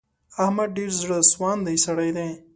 احمد ډېر زړه سواندی سړی دی.